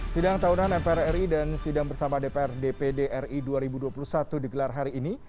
sidang tahunan mpr ri dan sidang bersama dpr dpd ri dua ribu dua puluh satu digelar hari ini